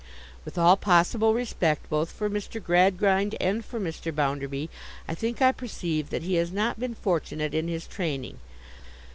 With all possible respect both for Mr. Gradgrind and for Mr. Bounderby, I think I perceive that he has not been fortunate in his training.